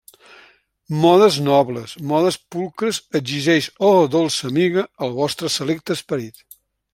-Modes nobles, modes pulcres exigeix, oh, dolça amiga!, el vostre selecte esperit.